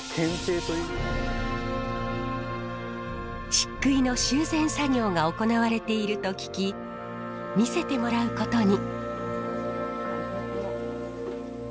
しっくいの修繕作業が行われていると聞き見せてもらうことに。